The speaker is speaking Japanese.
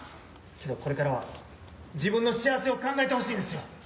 けどこれからは自分の幸せを考えてほしいんですよ。